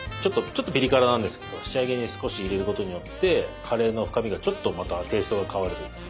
ちょっとピリ辛なんですけど仕上げに少し入れることによってカレーの深みがちょっとまたテイストが変わるというか。